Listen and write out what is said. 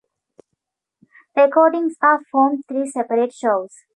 Recordings are from three separate shows.